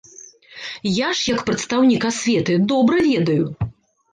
Я ж як прадстаўнік асветы добра ведаю!